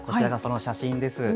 こちらがその写真です。